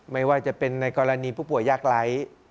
ไม่ว่าจะเป็นในกรณีผู้ป่วยยากไร้